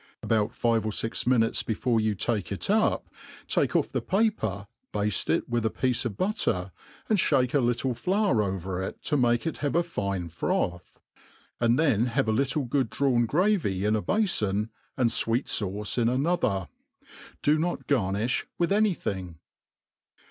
About five or £nt itiirfutet; before you take it up, take ofF the paper, bafie it with a piect of butter, and (hake a little flour ovei' it to make it ha^i^e a finp froth, and then have a iitrl^ good drawee gravy in a hafon,' and fveet fauce in another. Do not garnifh with any thing.